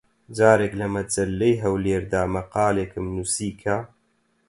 جارێک لە مەجەللەی هەولێر دا مەقالێکم نووسی کە: